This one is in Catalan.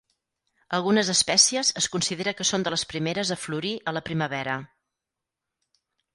Algunes espècies es considera que són de les primeres a florir a la primavera.